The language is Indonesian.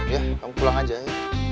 ya kamu pulang aja ya